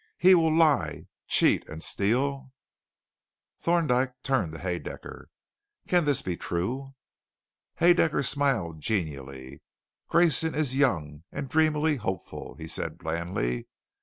He will lie, cheat, and steal " Thorndyke turned to Haedaecker. "Can this be true?" Haedaecker smiled genially. "Grayson is young and dreamily hopeful," he said blandly.